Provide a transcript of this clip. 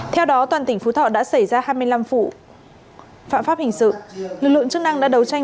theo đó toàn tỉnh phú thọ đã xảy ra hai mươi năm vụ phạm pháp hình sự lực lượng chức năng đã đấu tranh